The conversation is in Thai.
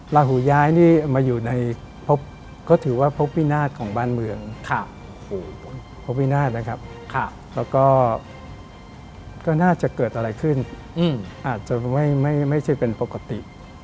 ลาหูย้ายนี่มาอยู่ในพบก็ถือว่าพบวินาศของบ้านเมืองพบวินาศนะครับแล้วก็น่าจะเกิดอะไรขึ้นอาจจะไม่ใช่เป็นปกติ